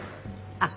あっ。